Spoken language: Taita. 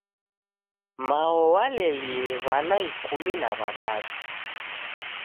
Mao walelie w'ana ikumi na w'adadu.